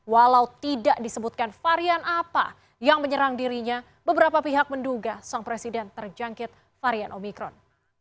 walau tidak disebutkan varian apa yang menyerang dirinya beberapa pihak menduga sang presiden terjangkit varian omikron